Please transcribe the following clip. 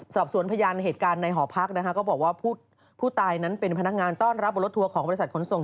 สอบสวนพยานเหตุการณ์ในหอพักนะคะก็บอกว่าผู้ตายนั้นเป็นพนักงานต้อนรับบนรถทัวร์ของบริษัทขนส่ง